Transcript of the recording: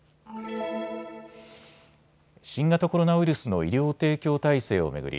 新型コロナウイルスの医療提供体制を巡り